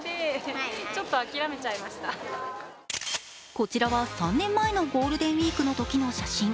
こちらは３年前のゴールデンウイークのときの写真。